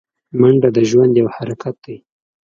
منډه د ژوند یو حرکت دی